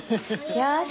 よし！